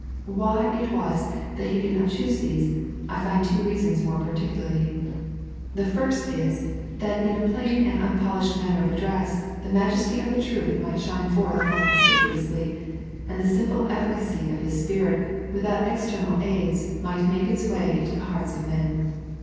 Why it was that he did not choose this, I find two reasons more particularly. Tlie first is, that in a plain and unpo lished manner of address, the majesty of the truth might shine forth more conspicuously, and the simple efiicacy of his Spirit, without external aids, might make its way into the hearts of men.